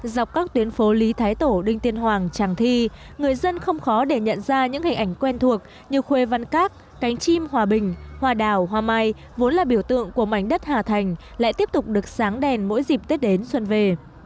dọc các tuyến phố lý thái tổ đinh tiên hoàng tràng thi người dân không khó để nhận ra những hình ảnh quen thuộc như khuê văn các cánh chim hòa bình hòa đào hoa mai vốn là biểu tượng của mảnh đất hà thành lại tiếp tục được sáng đèn mỗi dịp tết đến xuân về